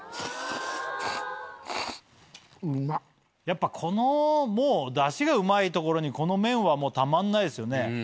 やっぱこのダシがうまいところにこの麺はたまんないですよね。